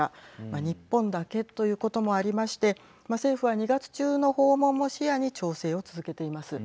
日本だけということもありまして政府は２月中の訪問も視野に調整を続けています。